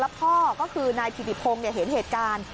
พ่อก็คือนายถิติพงศ์เห็นเหตุการณ์